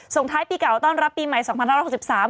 ส่งท้ายปีเก่าต้อนรับปีใหม่๒๕๖๓